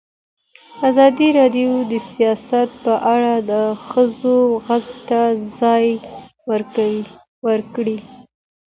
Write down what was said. ازادي راډیو د سیاست په اړه د ښځو غږ ته ځای ورکړی.